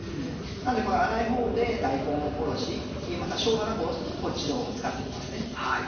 なんでこの粗いほうで大根おろしまたショウガなんかおろす時もこっちのほうを使って行きますね。